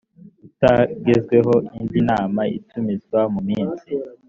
utagezweho indi nama itumizwa mu minsi